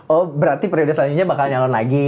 oh berarti periode selanjutnya bakal nyalon lagi